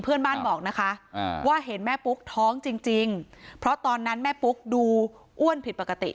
เพื่อนบ้านบอกนะคะว่าเห็นแม่ปุ๊กท้องจริงเพราะตอนนั้นแม่ปุ๊กดูอ้วนผิดปกติ